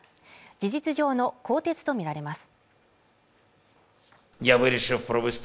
事実上の更迭とみられます